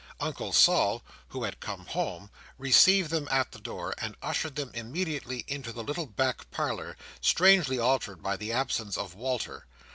Uncle Sol, who had come home, received them at the door, and ushered them immediately into the little back parlour: strangely altered by the absence of Walter.